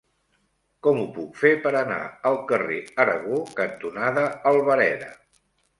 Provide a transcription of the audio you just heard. Com ho puc fer per anar al carrer Aragó cantonada Albareda?